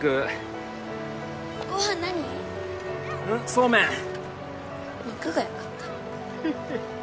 そうめん肉がよかったヘッヘ